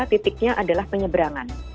titiknya adalah penyeberangan